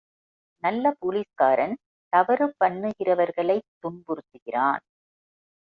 நல்ல போலீஸ்காரன் தவறு பண்ணுகிறவர்களைத் துன்புறுத்துகிறான்.